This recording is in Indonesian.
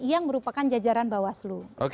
yang merupakan jajaran bawaslu